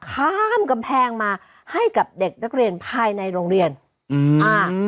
ข้ามกำแพงมาให้กับเด็กนักเรียนภายในโรงเรียนอืมอ่า